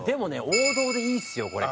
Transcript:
王道でいいですよこれ。